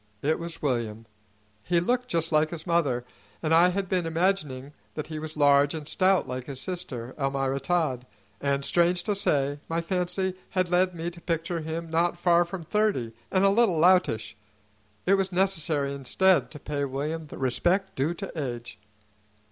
It was William. He looked just like his mother, and I had been imagining that he was large and stout like his sister, Almira Todd; and, strange to say, my fancy had led me to picture him not far from thirty and a little loutish. It was necessary instead to pay William the respect due to age.